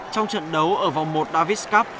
trong trận đấu ở vòng một davis cup